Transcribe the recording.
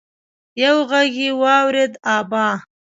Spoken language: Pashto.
يو غږ يې واورېد: ابا!